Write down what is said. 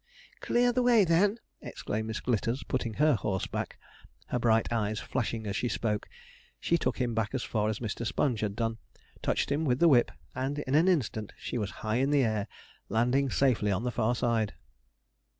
'Clear the way, then!' exclaimed Miss Glitters, putting her horse back, her bright eyes flashing as she spoke. She took him back as far as Mr. Sponge had done, touched him with the whip, and in an instant she was high in the air, landing safely on the far side.